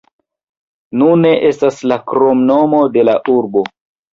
Nune estas la kromnomo de la urbo.